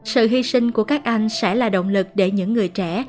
sự hy sinh của các anh sẽ là động lực để những người trẻ